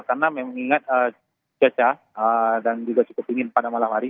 karena memang ingat jajah dan juga cukup ingin pada malam hari